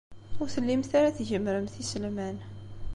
Ur tellimt ara tgemmremt iselman.